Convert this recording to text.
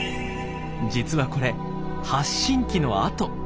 実はこれ発信器の跡。